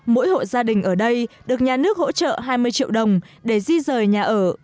mỗi hộ gia đình ở đây được nhà nước hỗ trợ hai mươi triệu đồng để di rời nhà ở